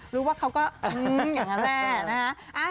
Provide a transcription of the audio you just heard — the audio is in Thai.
รู้ว่าเขาก็อย่างนั้นแหละนะฮะ